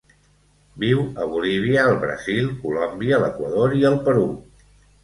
Viu a Bolívia, el Brasil, Colòmbia, l'Equador i el Perú.